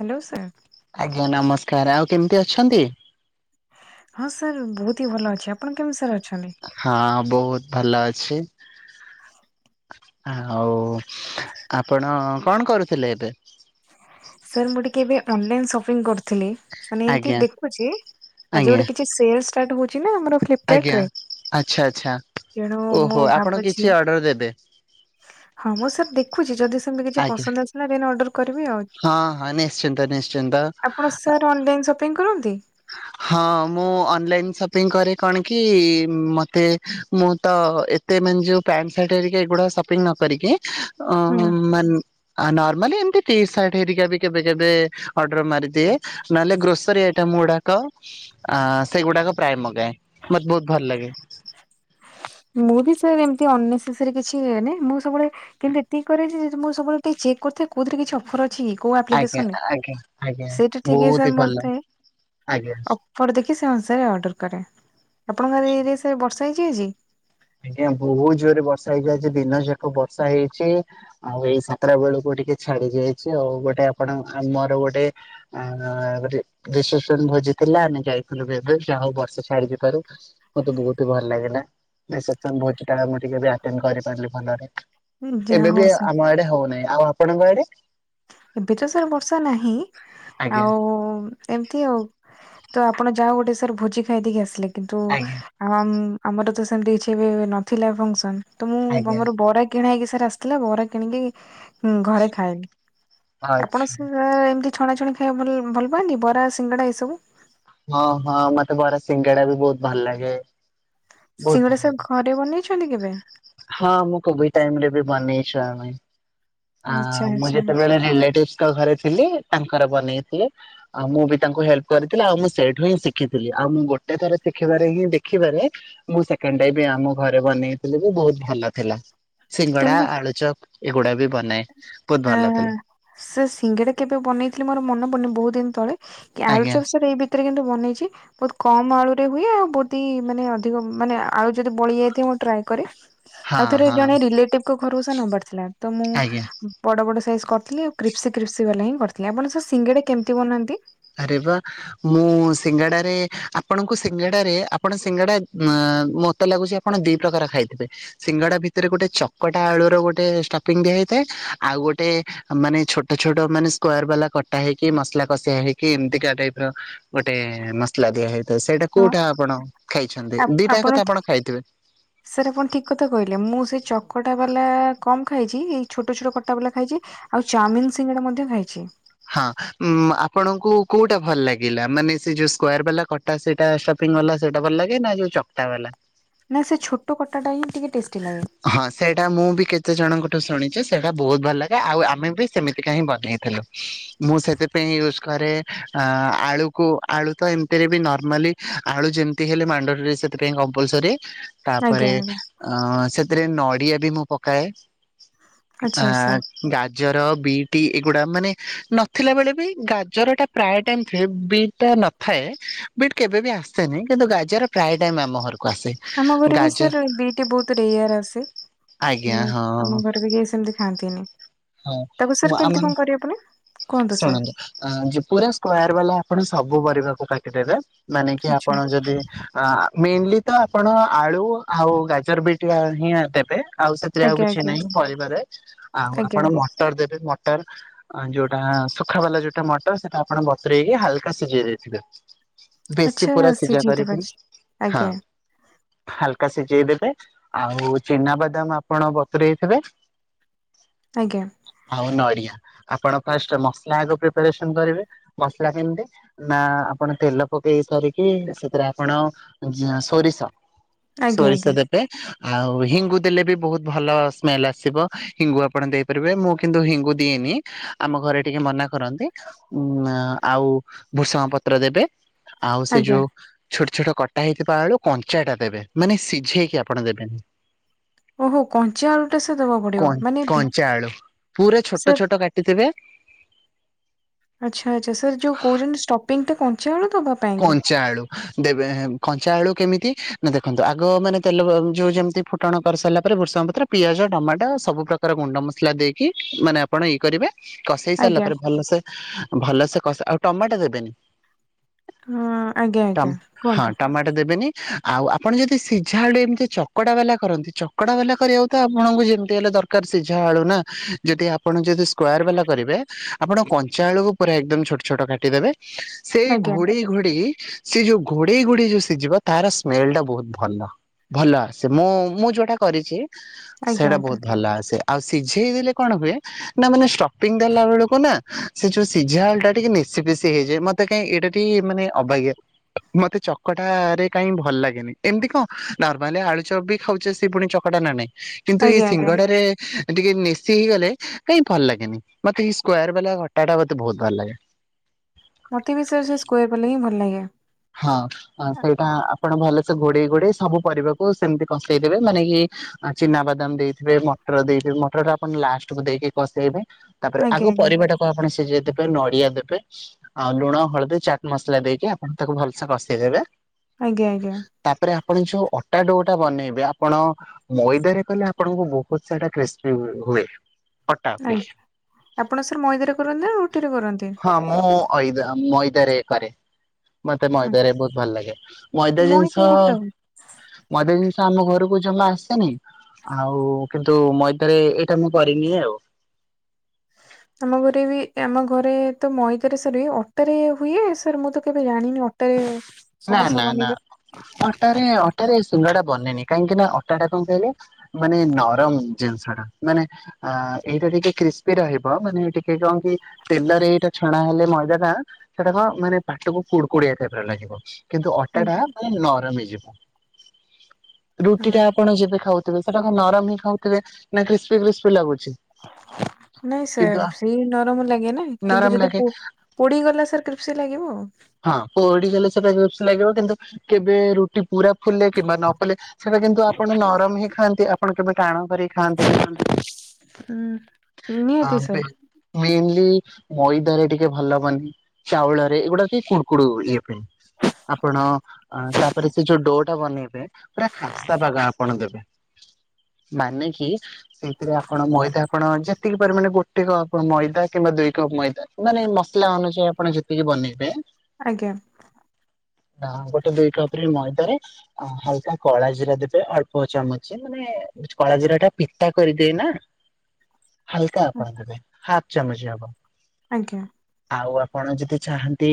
Hello sir. ଆଜ୍ଞା ନମସ୍କାର ଆଉ କେମିତି ଅଛନ୍ତି? ହଁ ସାର୍ ବହୁତ ହିଁ ଭଲ ଅଛି। ଆପଣ କେମିତି ସାର୍ ଅ ହଁ ବୋହୁତ୍ ଭଲ ଅଛି। ଆଉ, ଆପଣ କଣ କରୁଥିଲେ ଏବେ? କେବେ ଅନଲାଇନ ସପିଙ୍ଗ କରିଥିଲି। ମାନେ ଏମତି ଆଜ୍ଞା ଦେଖୁଛି, ଆଜି ଆଜ୍ଞା ଗୋଟେ କିଛି ସେଲ ଷ୍ଟାର୍ଟ ହଉ ନା ଆମର ଫ୍ଲିପ୍ କାର୍ଟ୍ ଆଜ୍ଞା। ରେ। ଆଚ୍ଛା ଆଚ୍ଛା ତେଣୁ ମୁଁ ଓହୋ ଆପଣ କିଛି ଭାବୁଚି। ଅର୍ଡର ଦେବେ ହଁ ମୁଁ ସାର୍ ଦେଖୁଛି। ଯଦି ସେମିତି କିଛି ଆଜ୍ଞା ପସନ୍ଦ ଆସିଲା। ଦେନ୍‌ ଅଡର୍ ହଁ ହଁ। ନିଶ୍ଚିନ୍ତ ନିଶ୍ଚିନ୍ତ। ଆପଣ ସାର୍ ଅନଲାଇନ ସପିଙ୍ଗ କରନ୍ତି? ହଁ ମୁଁ ଅନଲାଇନ ସପିଂ କରେ କଣ କି, ମତେ ମୁଁ ତ ମତେ ମାନେ ଯୋଉ ପ୍ୟାଣ୍ଟ, ସାଟ୍ ହେରିକା ଏଗୁଡ଼ା ସପିଙ୍ଗ ନ କରିକି, ଅ ହୁଁ ମାନେ, ଆନାର୍ ମାନେ ଏମିତି ଟି ସାର୍ଟ ହେରିକା ବି କେବେ, କେବେ ଅର୍ଡର ମାରିଦିଏ। ନହେଲେ ଗ୍ରୋସରୀ ଆଇଟମ ଗୁଡା ତ, ଆ ସେଗୁଡ଼ାକ ପ୍ରାୟ ମଗାଏ। ମତେ ବୋହୁତ୍ ଭଲ ଲାଗେ। ମୁଁ ବି ସାର ଏମିତି ଅନ୍‌ନେସେସେରି କିଛି ନିଏନି। ମୁଁ ସବୁବେଳେ କିନ୍ତୁ ଏତିକି କରେ ଯେ, ମୁଁ ସବୁବେଳେ ଚି ଚେକ୍ କରୁଥାଏ କଉଥିରେ କିଛି ଅଫର୍ ଅଛି କି? କୋଉ ଆଜ୍ଞା ଆପ୍ଲିକେସନ ରେ? ଆଜ୍ଞା ଆଜ୍ଞା ସେଇଟା ଟିକେ ଏ ବହୁତ ହି ସାର୍ ଭଲ ମୋତେ ଆଜ୍ଞା। ଅଫର ଦେଖି ସେ ଅନୁସାରେ ଅର୍ଡର କରେ। ଆପଣଙ୍କର ଏରିଆ ସେ ବର୍ଷା ହେଇଛି ଆଜି? ଆଜ୍ଞା ବହୁତ ଜୋରରେ ବର୍ଷା ହେଇଚି ଆଜି। ଦିନଯାକ ବର୍ଷା ହେଇଚି। ଆଉ ଏଇ ସାତଟା ବେଳକୁ ଟିକେ ଛାଡି ଯାଇଛି। ଆଉ ଗୋଟେ ଆପଣ ଆମର ଗୋଟେ, ଆ-ଗୋଟେ ରିସେପ୍ସନ କୁ ଭୋଜିଥିଲା ଆମେ ଯାଇଥିଲୁ ବେଭେ, ଯାହା ହଉ ବର୍ଷା ଛାଡ଼ି ଥିବାରୁ ମତେ ବହୁତ ଭଲ ଲାଗିଲା। ନା ସେଟା ମୋର ଟୀକା, ମୁଁ ଟିକେ ଏବେ ଆଟେଣ୍ଡ କରିପାରିଲି ଭଲରେ। ଯାହା ଏବେ ହଉ ବି ସାର୍ ଆମ ଆଡେ ହଉନାହିଁ। ଆଉ ଆପଣଙ୍କ ଆଡ଼େ? ଏବେ ତ ସାର ବର୍ଷା ନାହିଁ। ଆଜ୍ଞା ଆଉ ଏମିତି ଆଉ। ତ ଆପଣ ଯା ହେଉ ଗୋଟେ ସାର୍ ଭୋଜି ଖାଇଦେଇକି ଆସିଲେ। କିନ୍ତୁ ଆଜ୍ଞା ଆମ୍ ଆମର ତ ସେମିତି କିଛିବି ନଥିଲା ଫଙ୍ଗ୍ସନ। ତ ମୁଁ ଆଜ୍ଞା ବମରୁ ବରା କିଣା ହେଇକି ସାର ଆସିଥିଲା ବରା କିଣିକି ଘରେ ଖାଏନି, ଆପଣ ଆଚ୍ଛା। ସାର ଏମତି ଛଣା ଛଣି ଖାଇବା ଭଲ-ଭଲ ପାଆନ୍ତି, ବରା ସିଙ୍ଗଡ଼ା ଏଇ ସବୁ। ହଁ ହଁ ମତେ ବରା ସିଙ୍ଗେଡା ବି ବହୁତ ଭଲ ଲାଗେ। ବହୁତ ଭଲ ସିଙ୍ଗଡ଼ା ସାର ଲାଗେ ଘରେ ବନେଇଛନ୍ତି କେବେ? ହଁ ମୁଁ କୋଭିଡ ଟାଇମ୍ ରେ ବି ବନେଇଛୁ ଆମେ। ଆ ଆଚ୍ଛା ମୁ ଆଚ୍ଛା ଯେତେବେଳେ ରିଲେଟିସ୍ଭ୍ ଙ୍କ ଘରେ ଥି ଥିଲି। ତାଙ୍କର ବନେଇଥିଲେ ଆଉ, ମୁଁ ବି ତାଙ୍କୁ ହେଲ୍ପ କରିଥିଲି। ଆଉ ମୁଁ ସେଇଠୁ ହିଁ ଶିଖିଥିଲି। ଆଉ ମୁଁ ଗୋ ଟେ, ଥର ଶିଖିବାରେ ହିଁ ଦେଖିବାରେ, ମୁଁ ସେକଣ୍ଡ ଟାଇମି ଆମ ଘରେ ବନେଇଥିଲି, ବହୁତ ଭଲ ଥିଲା। ସିଙ୍ଗଡ଼ା, କେମିତି ଆଳୁ ଚପ୍ ଏଗୁଡା ବି ବନାଏ। ବହୁତ ଆ, ଭଲ ଥିଲା ସେ ସିଙ୍ଗିଡ଼ା କେବେ ବନେଇଥିଲେ ମୋର ମନେ ପଡ଼ୁନି ବହୁତ ଦିନ ତଳେ। କି ଆଳୁ ଆଜ୍ଞା ଚପ୍ ସାର ଏ ବି ତୀରେ, କିନ୍ତୁ ବନେଇଛି। ବହୁତ କମ ଆଳୁରେ ବି ହୁଏ। ଆଉ ବହୁତି ମାନେ ଅଧିକ ମାନେ ଆଳୁ ଯଦି ବଳି ଯାଇଥିବ ମୁଁ ଟ୍ରାଏ କରେ। ହଁ ଆଉ ଥରେ ହଁ ଜଣେ ରିଲେଟିଭ୍ ଙ୍କ ଘରୁ ସେ ନବାର ଥିଲା, ତ ମୁଁ ଆଜ୍ଞା। ବଡ଼ ବଡ଼ ସାଇଜ୍ କରିଥିଲେ ଆଉ କ୍ରିପ୍ସି କ୍ରିପ୍ସି ବାଲା ହିଁ କରିଥିଲେ। ଆପଣ ସେ ସିଙ୍ଗେଡା କେମିତି ବନାନ୍ତି? ଆରେ ବା। ମୁଁ ସିଙ୍ଗାଡାରେ ଆପଣଙ୍କୁ ସିଙ୍ଗଡାରେ ଆପଣ ସିଙ୍ଗଡା ଆ, ମତେ ଲାଗୁଛି ଆପଣ ଦି ପ୍ରକାର ଖାଇଥିବେ? ସିଙ୍ଗଡା ଭିତରେ ଗୋଟେ ଚକଟା ଆଳୁର ଗୋଟେ ଷ୍ଟପିଙ୍ଗ ଦିଆ ହେଇଥାଏ। ଆଉ ଗୋଟେ ମାନେ ଛୋଟ ଛୋଟ ମାନେ ସ୍କୋଏଆର ବାଲା କଟା ହେଇକି ମ ମସଲା କଷିଆ ହେଇକି, ଏମିତିକା ଟାଇପ୍ ର ଗୋଟେ ମସଲା ଦିଆ ହେଇଥାଏ। ସେଇଟା ହଁ କୋଉଟା ଆପଣ ଖାଇଛନ୍ତି? ଆ ଦିଟା ଆକ ଆପଣ ଖାଇଥିବେ। ଆପଣ ଠିକ୍ କଥା କହିଲେ। ମୁଁ କଟା ବାଲା କମ୍ ଖାଇଛି। ଏଇ ଛୋଟ ଛୋଟ କଟା ବାଲା ଖାଇଛି। ଆଉ ଚାଉମିିନ ସିଙ୍ଗଡା ମଧ୍ୟ ଖାଇଛି। ହଁ ଉ ଆପଣଙ୍କୁ କୋଉଟା ଭଲ ଲାଗିଲା? ମାନେ ସେ ଯୋଉ ସ୍କୋୟାର ବାଲା କଟା ସେଇଟା ସ ଫିଙ୍ଗ ବାଲା ସେଇଟା ଭଲ ଲାଗେ ନା, ଯୋଉ ଚକ୍‌ଟା ବାଲା? ନାଇଁ ସେ ଛୋଟ କଟା ଟା ହିଁ ଟିକେ ଟେଷ୍ଟ ହଁ ସେଇଟା ମୁଁ ବି କେତେ ଜଣଙ୍କ ବେଠୁ ଶୁଣିଛି ସେଟା ବହୁତ ଭଲ ଲାଗେ, ଆଉ ଆମେ ବି ସେମିତିକା ହିଁ ବନେଇଥିଲୁ। ମୁଁ ସେଥିପାଇଁ ୟୁଜ କ ଆରେ ଆଳୁକୁ ଆଳୁ ତ ଏମତିରେ ବି ନର୍ମାଲି ଆଳୁ ଯେମତି ହେଲେ ମାଣ୍ଡେଟୋରି ସେଥି ସେଥିପାଇଁ କମ୍ପଲସରି। ଆଜ୍ଞା ତାପରେ ଆଜ୍ଞା। ଅ ସେଥିରେ ନଡିଆ ବି ମୁଁ ପକାଏ ଆ ଆଚ୍ଛା ଆଚ୍ଛା ଗାଜ ଗାଜର, ବିଟି ଏଗୁଡା ମାନେ ନଥିଲା ବେଳେ ବି, ଗାଜରଟା ପ୍ରାୟ ଟାଇମ [unintelligible] ବିଟା ନଥାଏ, ବିଟ୍ କେବେ ବି ଆସେନି। କିନ୍ତୁ ଗାଜର ପ୍ରାୟ ଟାଇମ ଆମ ଘରକୁ ଆସେ ଆମ ଘରେ ବି ଗାଜର ସାର୍ ଦିଟି ବହୁତ ରେୟାର ଆସେ। ହୁଁ, ଆଜ୍ଞା ହଁ ଆମ ଘରେ ବି କେହି ସେମତି ଖାଆନ୍ତିନି। ହଁ ତାକୁ ସାର୍ କେମତି ଆମ କଣ କରିବେ ପୁଣି? କୁହନ୍ତୁ ସାର୍ ଶୁଣନ୍ତୁ। ପୁରା ସ୍କୋୟାର ବାଲା ଆପଣ ସବୁ ପରିବାକୁ କାଟିଦେବେ ମାନେ କି ଆଚ୍ଛା ଆପଣ ଯଦି ଆ ମେନଲି ତ ଆପଣ ଆଳୁ ଆଉ ଗାଜର, ବିଟ ହିଁ ଦେବେ ଆଉ ସେଥିରେ ଆଉ ଆଜ୍ଞା କିଛି ଆଜ୍ଞା ନାହିଁ ପରିବାରେ, ଆଉ ଆଜ୍ଞା ଆପଣ ମଟର ଦେବେ ମଟର ଯୋଉ ଟା ଶୁଖା ବାଲା ଯୋଉଟା ମଟର, ସେଟା ଆପଣ ବତୁରେଇକି ହାଲକା ସିଝେଇ ଦେଇଥିବେ। ବେଶୀ ଆଚ୍ଛା ପୁରା ସିଝା ସିଝେଇ ଦବା କରିବେନି, ହଁ। ଆଜ୍ଞା ହାଲକା ସିଝେଇ ଦେବ ବେ, ଆଉ ଚିନା ବାଦାମ ଆପଣ ବତୁରେଇଥିବେ ଆଜ୍ଞା ଆଉ ନଡିଆ। ଆପଣ ଫାଷ୍ଟ ମସଲା ଆଗ ପ୍ରିପାରେସନ କରିବେ। ମସଲା କେମତି? ନା, ଆପଣ ତେଲ ପକେଇ ସାରିକି ଇ ସେଥିରେ ଆପଣ ସୋରିଷ, ଆଜ୍ଞା ସୋରିଷ ଆଜ୍ଞା ଦେବେ ଆଉ ହିଙ୍ଗୁ ଦେଲେ ବି ବହୁତ ଭଲ ସ୍ମେଲ ଆସିବ। ହିଙ୍ଗୁ ଆପଣ ଦେଇପାରିବେ, ମୁଁ କିନ୍ତୁ ହିଙ୍ଗୁ ଦିଏନି। ନେଇ ଆମ ଘରେ ଟିକେ ମନା କରନ୍ତି। ଉମ୍ ଆଉ ଭୃସଙ୍ଗ ପତ୍ର ଦେବେ ଆଉ ସେ ଆଜ୍ଞା ଯୋଉ ଛୋଟ ଛୋଟ କଟା ହେଇଥିବା ଆଳୁ କଞ୍ଚାଟା ଦେବେ, ମାନେ ସିଝେଇକି ଆପଣ ଦେବେନି। ଓହୋ କଞ୍ଚା ଆଳୁଟା ସାର୍ ଦବାକୁ ପଡିବ ମାନେ ଭି କ-କଞ୍ଚା ଆଳୁ ପୁରା ଛୋଟ ସାର୍ ଛୋଟ କାଟି ଦେବେ ଆଚ୍ଛା ଆଚ୍ଛା। ସାର୍ ଯୋଉ କହୁଚନ୍ତି ଷ୍ଟପିଂଟା କଞ୍ଚା ଆଳୁ ଦବା ପାଇଁ କି? କଞ୍ଚା ଆଳୁ, ଦେବେ କଞ୍ଚା ଆଳୁ କେମିତି ନା ଦେଖନ୍ତୁ। ଆଗ ମାନେ ତେଲ ବ ଯୋଉ ଯେମତି ଫୁଟଣ କରିସାରିଲା ପରେ ଭୃସଙ୍ଗ ପତ୍ର, ପିଆଜ, ଟମାଟୋ ସବୁ ପ୍ରକାର ଗୁଣ୍ଡ ମସଲା ଦେଇକି, ମାନେ ଆପଣ ଇଏ କରିବେ କଷେଇ ସାରିଲା ଆଜ୍ଞା ପରେ, ଭଲସେ ଭଲସେ ଆଉ ଟମାଟୋ ଦେବେନି ହଁ ଆଜ୍ଞା ଆଜ୍ଞା ଟମ୍ ହଁ କୁହନ୍ତୁ ଟମାଟୋ ଦେବେନି ଆଉ ଆପଣ ଯଦି ସିଝା ଆଡୁ ଏମତି ଚକଡା ବାଲା କରନ୍ତି, ଚକଡା ବାଲା କରିବାକୁ ତ ଆପଣଙ୍କୁ ଯେମତି ହେଲେ ଦରକାର ସିଝା ଆଳୁ ନା। ଯଦି ଆପଣ ଯଦି ସ୍କୋୟାର ବାଲା କରିବେ, ଆପଣ କଞ୍ଚା ଆଳୁକୁ ପୁରା ଏକ ଏକଦମ ଛୋଟ ଛୋଟ କାଟିଦେବେ ସେଇ ଆଜ୍ଞା ଘୋଡେଇ ଘୋଡେଇ, ସିଏ ଯୋଉ ଘୋଡେଇ ଘୋଡେଇ ଯୋଉ ସିଝିବ, ତାର ସ୍ମେଲଟା ବହୁତ ଭଲ। ଭଲ ଆସେ। ମୁଁ, ମୁଁ ଯୋଉଟା କରିଛି, ଆଜ୍ଞା ସେଇଟା ଆଜ୍ଞା ବହୁତ ଭଲ ଆସେ। ଆଉ ସିଝେଇ ଦେଲେ କଣ ହୁଏ, ନା ମାନେ ଷ୍ଟପିଂ ଦେଲା ବେଳକୁ ନା, ସେ ଯୋଉ ସିଝା ଆଳୁଟା ଟିକେ ନି ନେସି ପେସି ହେଇଯାଏ। ମତେ କାଇଁ ଏଇଟା ଏମତି ମାନେ ଅବାଗିଆ, ମତେ ଚକଟାରେ କାହିଁ ଭଲ ଲାଗେନି। ଏମତି କଣ ନରମାଲି ଆଳୁଚପ ବି ଖାଉଛେ, ସେ ପୁଣି ଚକଟା ନା ନାଇଁ। କିନ୍ତୁ ଏଇ ଆଜ୍ଞା ଆଜ୍ଞା ସିଙ୍ଗଡ଼ାରେ ଟିକେ ନେସି ହେଇଗଲେ, କାହିଁ ଭଲ ଲାଗେନି। ମତେ ଏଇ ସ୍କୋୟାର ବାଲା ଘଟାଟା ମତେ ବହୁତ ଭଲ ଲାଗେ। [inaudible] ମତେ ବି ସେ-ସେଇ ସ୍କୋୟାର ବାଲା ହିଁ ଭଲ ଲାଗେ। ହଁ [unintelligible] ଆପଣ ଭଲ ଘୋଡେଇ ଘୋଡେଇ ସବୁ ପରିବାକୁ ସେମତି କଷେଇଦେବେ, ମାନେ କି ଚିନାବାଦାମ ଦେଇଥିବେ, ମଟର ଦେଇ ସେଇ ମଟରଟା ଆପଣ ଲାଷ୍ଟକୁ ଦେଇକି କଷେଇବେ, ତାପରେ ଆଜ୍ଞା ଆଗ ଆଜ୍ଞା ପରିବାଟାକୁ ଆପଣ ସିଝେଇ ଦେବେ ପାଇଁ ନଡିଆ ଦେବେ, ଆଉ ଲୁଣ, ହଳଦୀ, ଚାଟ୍ ମସଲା ଦେଇକି ଆପଣ ତାକୁ ଭଲସେ କଷେଇଦେବେ ଆଜ୍ଞା ଆଜ୍ଞା ଆଜ୍ଞା। ତାପରେ ଆପଣ ଯୋଉ ଅ ଅଟା ଡୋଟା ବନେଇବେ, ଆପଣ ମଇଦାରେ କଲେ ଆପଣଙ୍କୁ ବହୁତ ସାରା କ୍ରିସ୍ପି ହୁ-ହୁଏ। ଆଜ୍ଞା। ଆପଣ ସାର୍ ମଇଦାରେ କରନ୍ତି ନା ରୁ ହଁ ମୁଁ ମୁଁ ମଇଦା ରେ କରେ ମତେ ହଁ ମଇଦା ରେ ବହୁତ ଭଲ ଲାଗେ ମଇଦା ଜିନିଷ ମଇଦାରେ ତ ମଇଦା ଜିନିଷ ଆମ ଘରକୁ ଜମା ଆସେନି ଆଉ କିନ୍ତୁ ମଇଦାରେ ଏଇଟା ମୁଁ କରିନିଏ ଆଉ। [inaudible] ଆମ ଘରେ ବି ଆମ ଘରେ ତ ମଇଦାରେ ସରି ହୁଏ ଅଟାରେ ହୁଏ ସରି ମୁଁ ତ କେବେ ଜାଣିନି ଅଟାରେ ନା ସମୋସା ନା ନା ବନେଇବାରେ। ଅଟାରେ ଅଟାରେ ସୁଲ ଟା ବନେନି କାହିଁକି ଅଟା ଟା କଣ କହିଲେ ମାନେ ନରମ ଜିନିଷ ଟା ମାନେ ଏଇଟା କ୍ରିସମୀ ରହିବ ମାନେ ଟିକେ କଣ କି ତେଲରେ ଏଇଟା ଛଣା ହେଲେ ମଇଦାଟା ସେଟା କଣ ମାନେ ପାଟକୁ କୁଡ଼କୁଡିଆ ଟାଇପରେ ଲାଗିବ। କିନ୍ତୁ ଅଟା ଟା ଆଜ୍ଞା ମାନେ ନରମ ହେଇଯିବ ରୁଟି ଟା ଆପଣ ଯେବେ ଖାଉ ସେଟା ନରମ ହି ଖାଉଥିବେ ନା କ୍ରିସମୀ କ୍ରିସମୀ ଲାଗୁଚି। [inaudible] ନାଇଁ ସାର୍ ସେଇ ନରମ ଲାଗେ ନା ନରମ କିନ୍ତୁ ଯଦି ଲାଗେ ପୋଡି ଗଲା ସାର୍ କ୍ରିପ୍ସି ଲାଗିବ ଆଉ। ହଁ ପୋଡି ଗଲେ ସେଟା କ୍ରିସମୀ ଲାଗିବ କିନ୍ତୁ କେବେ ରୁଟି ପୁରା ଫୁଲେ କିମ୍ବା ନ ଫୁଲେ ସେଇଟା କିନ୍ତୁ ଆପଣ ନରମ ହିଁ ଖାଆନ୍ତି ଆପଣ କେବେ ଟାଣ କରିକି ଖାଆନ୍ତିନି ଉଁ ନିହାତି ହଁ ସାର୍ [unintelligible] ମଇଦରେ ଟିକେ ଭଲବନେ ଚାଉଳରେ ଏଗୁଡା କୁଡକୁଡୁ ଇଏ ପାଇଁ ଆପଣ ତାପରେ ସେ ଯୋଉ ଡୋ ଟା ବନେଇବେ। ପୁରା ଖାସ୍ତା ପାଗ ଆପଣ ଦେବେ ମାନେ କି ସେଇଥିରେ ଆପଣ ମଇଦା ଆପଣ ଯେତିକି ପରିମାଣେ ଗୋ ଗୋଟେ କପ୍ ମଇଦା କିମ୍ବା ଦୁଇ କପ୍ ମଇଦା ମାନେ ମସଲା ଅନୁଯାୟୀ ଆପଣ ଯେତିକି ବନେଇବେ ଆଜ୍ଞା। ନା ଗୋଟେ ଦୁଇ କପ ରେ ମଇଦାରେ ହଲକା କଳା ଜିରା ଦେବେ ଅଳ୍ପ ଚାମଚ ମାନେ କଳା ଜିରା ଟା ପିତା କରିଦିଏ ନା ହଲକା ଆପଣ ଦେବେ ହାଫ ଚାମଚ ହେବ। ଆଜ୍ଞା। ଆଉ ଆପଣ ଯଦି ଚାହାନ୍ତି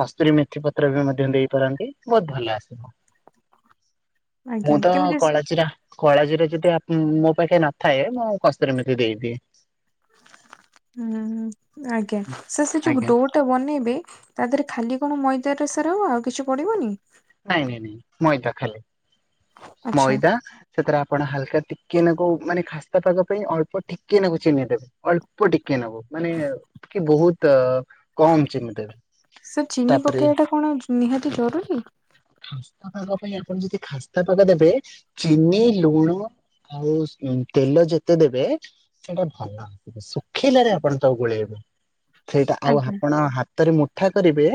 କସ୍ତୁରୀ ମେଥି ପତ୍ର ବି ମଧ୍ୟ ଦେଇ ପାରନ୍ତି ବହୁତ ଭଲ ଆସିବ। ଆଜ୍ଞା ମୁଁ ତ କେମିତି ସ୍ କଳାଜିରା କଳା ଜିରା ଯଦି ମୋ ପାଖେ ନଥାଏ ମୁଁ କସ୍ତୁରୀ ମେଥି ଦେଇଦିଏ। ହୁଁ ଆଜ୍ଞା ସେ ସେ ଯୋଉ ଆଜ୍ଞା ଡୋଟା ବନେଇବେ ତା ଦେହରେ ଖାଲି କଣ ମଇଦ ର ସାର ହବ ଆଉ କିଛି ପଡିବନି। ନାଇଁ ନାଇଁ ନାଇଁ ମଇଦା ଖାଲି। ଆଚ୍ଛା। ମଇଦା ସେଥିରେ ଆପଣ ହାଲକା ଟିକେ ନାଗୁ ମାନେ ଖାସ୍ତା ପାଗ ପାଇଁ ଅଳ୍ପ ଟିକେ ନାଗୁ ଚିନି ଦେବେ ଅଳ୍ପ ଟିକେ ନାଗୁ ମାନେ କି ବହୁତ କମ ଚିନି ଦେବେ ସାର ଚିନି ତାପରେ ପକେଇବା ଟା କଣ ନିହାତି ଜରୁରୀ? ଖାସ୍ତା ପାଗ ପାଇଁ ଆପଣ ଯଦି ଖାସ୍ତା ପାଗ ଦେବେ ଚିନି ଲୁଣ ଆଉ ତେଲ ଯେତେ ଦେବେ ସେଇଟା ଭଲ ଶୁଖିଲାରେ ଆପଣ ତାକୁ ଗୋଳେଇବେ। ସେଇଟା ଆଉ ଆଜ୍ଞା ଆପଣ ହାତରେ ମୁଠା କରିବେ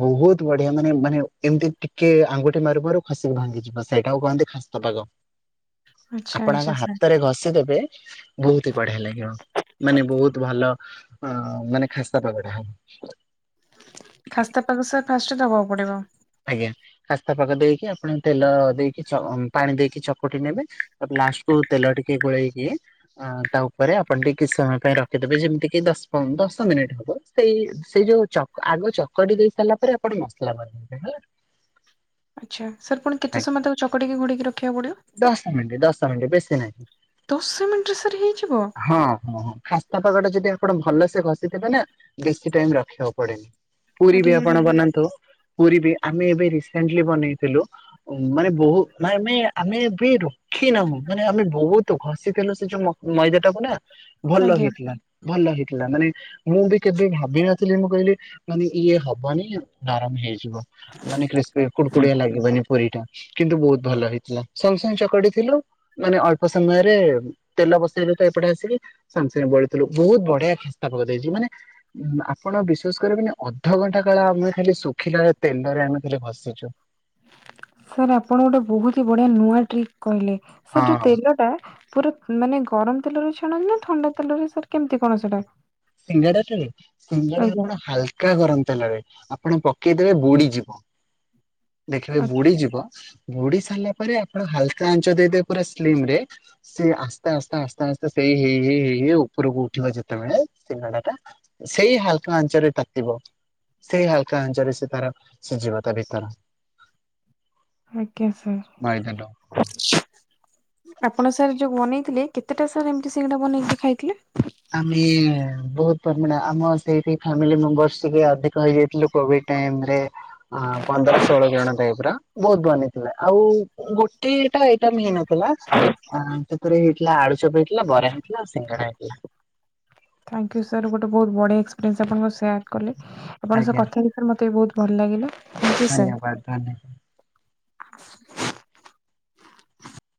ବହୁତ ବଢିଆ ମାନେ ମାନେ ଏମିତି ଟିକେ ଆଙ୍ଗୁଠି ମାରୁ ମାରୁ ଖସି ଭାଙ୍ଗିଯିବ ସେଇଟାକୁ କୁହନ୍ତି ଖାସ୍ଥା ପାଗ। ଆଚ୍ଛା ଆପଣଙ୍ ଆଚ୍ଛା ସାର୍ ହାତରେ ଘଷି ଦେବେ ବହୁତ ବଢିଆ ଲାଗିବ। ମାନେ ବହୁତ ଭଲ ଅ ମାନେ ଖାସ୍ତା ପାଗଟା ହବ। ଖାସ୍ତା ପାଗ ସାର ଫାଷ୍ଟ ଦବାକୁ ପଡିବ? ଆଜ୍ଞା ଖାସ୍ତା ପାଗ ଦେଇକି ଆପଣ ତେଲ ଦେଇକି ପାଣି ଦେଇକି ଚକଟି ନେବେ ତା ଲାଷ୍ଟକୁୁ ତେଲ ଟିକେ ଗୋଳେଇକି ତା ଉପରେ ଆପଣ ଟିକ କି ସମୟ ପାଇଁ ରଖିଦବେ ଯେମିତି କି ଦଶ ପନ୍ଦ ଦଶ ମିନିଟ୍ ହବ ସେଇ ସେଇ ଯୋଉଁ ଆଗ ଚକଟି ଦେଇ ସାରିଲା ପରେ ଆପଣ ମସଲା ବନ ହେଲା। ଆଛା ସାର୍ ପୁଣି କେତେ ଆଜ୍ଞା ସମୟ ତାକୁ ଚକିକି ଘୋଡ଼େଇକି ରଖିବାକୁ ପଡିବ? ଦଶ ମିନିଟ ଦଶ ମିନିଟ ବେଶି ନାହିଁ। ଦଶ ମିନିଟରେ ସାର୍ ହେଇଯିବ? ହଁ ହଁ ହଁ ଖାସ୍ତା ପାଗଟା ଯଦି ଆପଣ ଭଲସେ ଘଷିଥିବେ ନା ବେଶୀ ଟାଇମ ରଖିବାକୁ ପଡେନି। ପୁରୀ ଆରେ ବି ଆପଣ ଆରେ ବା ବନାନ୍ତୁ। ପୁରୀ ବି ଆମେ ଏବେ ରିସେଣ୍ଟଲି ବନେଇଥିଲୁ ମାନେ ବହୁ ଆମେ ଆମେ ଏବେ ରଖି ନାହୁଁ ମାନେ ଆମେ ବହୁତ ଘଷିଥିଲୁ ସେ ଯୋଉ ମଇଦା ଟାକୁ ନା। ଭଲ ଆଜ୍ଞା। ହେଇଥିଲା ଭଲ ହେଇଥିଲା ମାନେ ମୁଁ ବି କେବେ ଭାବିିନଥିଲି ମୁଁ। କହିଲେ ମାନେ ଇଏ ହବନି ନରମ ହେଇ ମାନେ କ୍ରୀପି କୁଡକୁଡିଆ ଲାଗିବନି ପୁରୀ ଟା କିନ୍ତୁ ବହୁତ ଭଲ ହେଇଥିଲା। ସାଙ୍ଗେ ସାଙ୍ଗେ ଚକଟି ଥିଲୁ ମାନେ ଅଳ୍ପ ସମୟରେ ତେଲ ବସେଇଲେ ତ ଏପଟେ ଆସିକି ସାଙ୍ଗେସାଙ୍ଗେ ଥିଲୁ ବହୁତ ବଢିଆ ଖାସ୍ତା ପାଗ ଦେଇଛି ମାନେ ଆପଣ ବିଶ୍ବାସ କରିବେନି ମାନେ ଅଧଘଣ୍ଟା କାଳ ଆମେ ଲି ଶୁଖିଲା ତେଲରେ ଆମେ ଭସେଇଛୁ। ସାର୍ ଆପଣ ଗୋଟେ ବହୁତ ହି ବଢିଆ ନୂଆ ଟ୍ରିକ୍ କହିଲେ ସେ ଯୋଉ ହଁ ତେଲ ଟା ପୁରା ମାନେ ଗରମ ତେଲରୁ ଛାଣନ୍ତି ନା ଥଣ୍ଡା ତେଲରେ ସାର୍ କେମିତି କଣ ସେଇଟା? ସିଙ୍ଗେଡାଟାରଜ ସିଙ୍ଗେଡା ଆପଣ ହାଲକା ଗରମ ତେଲରେ ଆପଣ ପକେଇଦେବେ ବୁଡିଯିବ ଦେଖିବେ ଆଚ୍ଛା ବୁଡି ଯିବ। ବୁଡି ସାରିଲା ପରେ ଆପଣ ହାଲକା ଆଞ୍ଚ ଦେଇଦେବେ ପୁରା ସ୍ଲିମ ରେ ସିଏ ଆସ୍ତେ ଆସ୍ତେ ଆସ୍ତେ ଆସ୍ତେ ସେଇ ଇ ହେଇ ହେଇ ହେଇ ଉପରକୁ ଉଠିବ ଯେତେବେଳେ ସିଙ୍ଗଡା ଟା ସେଇ ହାଲକା ଆଞ୍ଚରେ ତାତିିବ। ସେଇ ହାଲକା ଆଞ୍ଚରେ ସେ ତାର ସିଝିବ ତା ଭିତର। ଆଜ୍ଞା ମଇଦାଟା ସାର୍ ଆପଣ ସାର୍ ଯୋଉ ମନି କେତେଟା ସାର୍ ଏମତି ସିଙ୍ଗା ବନେଇକି ଖାଇଥିଲେ? ଆମେ ବହୁତ ପରିମାଣ ଆମ ସେଇଠି ଫାମିଲି ମେମ୍ବରସ ଟିକେ ଅଧିକ ହେଇଯାଇଥିଲୁ କୋଭିଡ। ଟାଇମରେ ପନ୍ଦର ଷୋହଳ ଜଣ ଟାଇପର। ବହୁତ ବନେଇଥିଲା ଆଉ ଗୋଟିଏଟା ଏଇଟା ହେଇନଥିଲା। ତା ପରେ ହେଇଥିଲା ଆଳୁଚପ ହେଇଥିଲା, ବରା ହେଇଥିଲା ଆଉ ସିଙ୍ଗଣା ହେଇଥିଲା। ଥାଇଙ୍କୁ ସାର୍ ଗୋଟ ବହୁ ବଆ ଏକ୍ସପିରିସ ଆପଣଙ୍କ ସେୟାର କଲେ ଆପଙ୍କ ସହ ଆଜ୍ଞା କଥା ହେଇକି ମୋତେ ବହୁତ ଭଲ ଲାଗିଲା। Thank you sir. ଧନ୍ୟବାଦ ଧନ୍ୟବାଦ। [unintelligible]